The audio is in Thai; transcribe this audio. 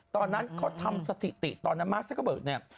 ตอนนั้นเขาทำสถิติตอนนั้นมาร์คเซ็กเกเบิร์กเนี่ย